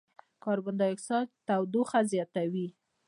د کاربن ډای اکسایډ تودوخه زیاتوي.